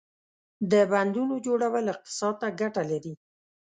• د بندونو جوړول اقتصاد ته ګټه لري.